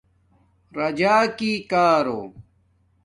راجاکی کارو